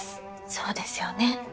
そうですよね。